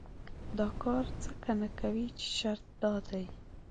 دا کار ځکه نه کوي چې شرط دا دی.